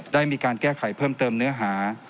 ได้มีการแก้ไขเพิ่มเติมเนื้อหา